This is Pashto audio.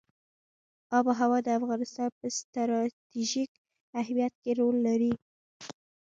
آب وهوا د افغانستان په ستراتیژیک اهمیت کې رول لري.